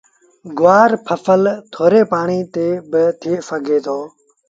گُوآر رو ڦسل ٿوري پآڻيٚ تي با ٿئي سگھي دو